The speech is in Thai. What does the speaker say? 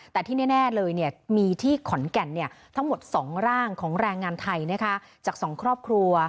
แต่ที่แน่เลยมีที่ขอนแก่นทั้งหมด๒ร่างของแรงงานไทยจาก๒ครอบครัว